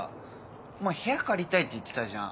お前部屋借りたいって言ってたじゃん。